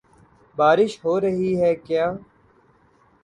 بارش ہو رہی ہے کیا؟